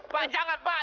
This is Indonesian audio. pak jangan pak